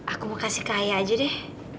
aku mau kasih ke ayah aja deh